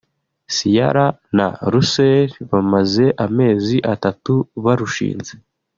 Ciara na Russell bamaze amezi atatu barushinze